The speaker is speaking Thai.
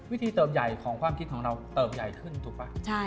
เติบใหญ่ของความคิดของเราเติบใหญ่ขึ้นถูกป่ะ